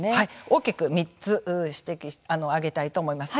大きく３つ挙げたいと思います。